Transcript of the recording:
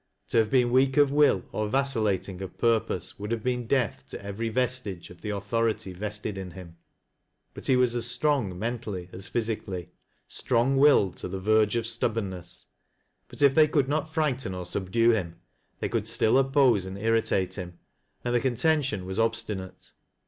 To have been weak of will, or vacillating of purpose, would have been death to every vestige of the authority vested in him ; but he was as strong mentally as physically — strong willed to the verge of stubbornness. But if they could not frighten or subdue him, they could still oppose and irritate him, and the contention was ob stinate.